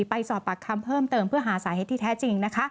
ไปสอบปากคำเพิ่มเติมเพื่อหาสาเหตุที่แท้จริง